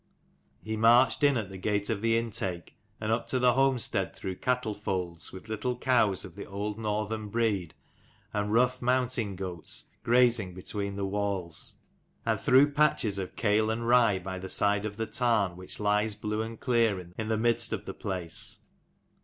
He marched in at the gate of the intake, and up to the homestead through cattle folds with little cows 94 of the old Northern breed and rough mountain goats, grazing between the walls: and through patches of kale and rye by the side of the tarn which lies blue and clear in the midst of the place.